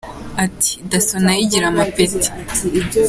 Ati “ Dasso nayo igira amapeti.